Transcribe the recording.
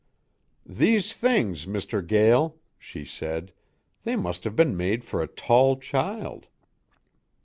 "These things, Mr. Gael," she said, "they must have been made for a tall child."